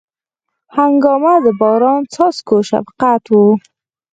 هنګامه د باران څاڅکو شفقت و